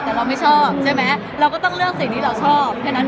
แต่เราไม่ชอบใช่ไหมเราก็ต้องเลือกสิ่งที่เราชอบแค่นั้น